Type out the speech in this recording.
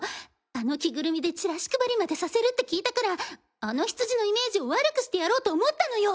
あの着ぐるみでチラシ配りまでさせるって聞いたからあのヒツジのイメージを悪くしてやろうと思ったのよ！